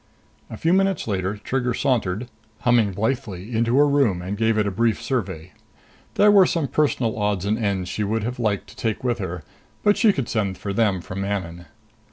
A few minutes later, Trigger sauntered, humming blithely, into her room and gave it a brief survey. There were some personal odds and ends she would have liked to take with her, but she could send for them from Manon.